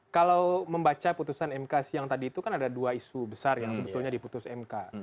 kalau membaca putusan mk siang tadi itu kan ada dua isu besar yang sebetulnya diputus mk